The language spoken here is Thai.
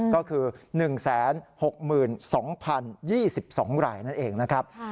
ก็คือ๑๖๒๐๒๒รายนั่นเองนะครับ